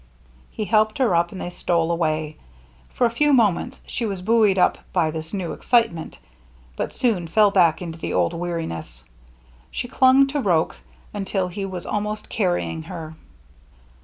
He helped her up, and they stole away. For a few moments she was buoyed up by this new excitement, but soon fell back into the old weariness. She clung to Roche until he was almost carrying her.